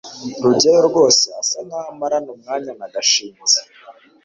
rugeyo rwose asa nkaho amarana umwanya na gashinzi